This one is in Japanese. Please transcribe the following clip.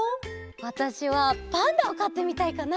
わたしはパンダをかってみたいかな！